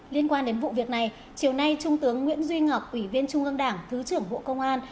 liên quan đến vụ việc này chiều nay trung tướng nguyễn duy ngọc ủy viên trung ương đảng thứ trưởng bộ công an